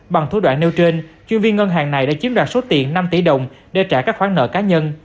bằng thủ đoạn nêu trên chuyên viên ngân hàng này đã chiếm đoạt số tiền năm tỷ đồng để trả các khoản nợ cá nhân